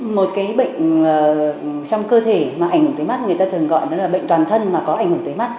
một cái bệnh trong cơ thể mà ảnh hưởng tới mắt người ta thường gọi đó là bệnh toàn thân mà có ảnh hưởng tới mắt